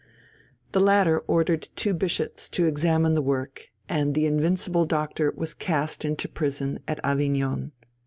The latter ordered two bishops to examine the work, and the "Invincible Doctor" was cast into prison at Avignon.